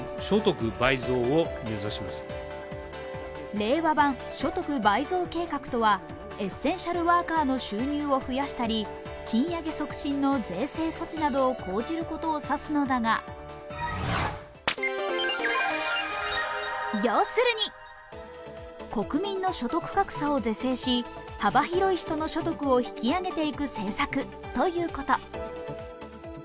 令和版所得倍増計画とはエッセンシャルワーカーの収入を増やしたり、賃上げなどの税制措置などを講じることを指すのだが、要するに国民の所得格差を是正し幅広い人の所得を引き上げていく政策ということ。